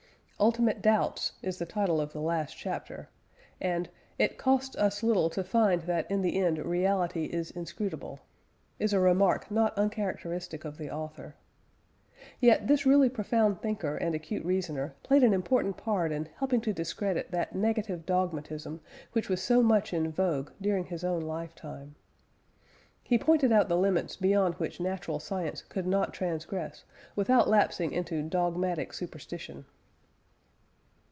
"Ultimate Doubts" is the title of the last chapter, and "It costs us little to find that in the end Reality is inscrutable," is a remark not uncharacteristic of the author. Yet this really profound thinker and acute reasoner played an important part in helping to discredit that negative dogmatism which was so much in vogue during his own lifetime. He pointed out the limits beyond which natural science could not transgress without lapsing into "dogmatic superstition."